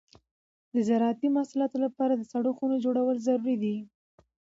د زراعتي محصولاتو لپاره د سړو خونو جوړول ضروري دي.